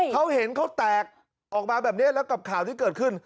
เขาเห็นเขาแตกออกมาแบบนี้แล้วกับข่าวที่เกิดขึ้น